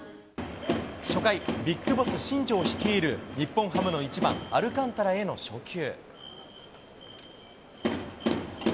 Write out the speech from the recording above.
初回、ＢＩＧＢＯＳＳ新庄率いる、日本ハムの１番アルカンタラへの初球。